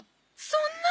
そんな。